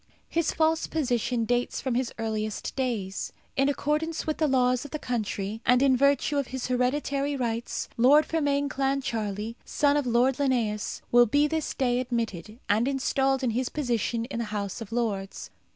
His false position dates from his earliest days. In accordance with the laws of the country, and in virtue of his hereditary rights, Lord Fermain Clancharlie, son of Lord Linnæus, will be this day admitted, and installed in his position in the House of Lords.